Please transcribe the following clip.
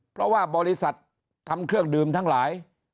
เพราะว่าบริษัททำเครื่องดื่มทั้งหลาย